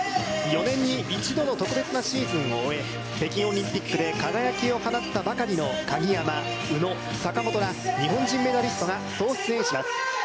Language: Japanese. ４年に一度の特別なシーズンを終え北京オリンピックで輝きを放ったばかりの鍵山、宇野、坂本ら、日本人メダリストが総出演します。